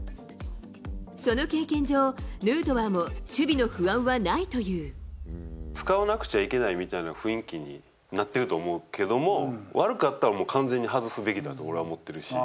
その経験上、ヌートバーも、使わなくちゃいけないみたいな雰囲気になってると思うけども、悪かったらもう完全に外すべきだと俺は思ってるし。